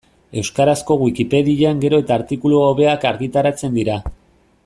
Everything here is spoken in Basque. Euskarazko Wikipedian gero eta artikulu hobeak argitaratzen dira.